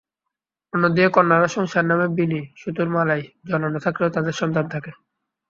অন্যদিকে কন্যারা সংসার নামের বিনি সুতোর মালায় জড়ানো থাকলে তাদেরও সন্তান থাকে।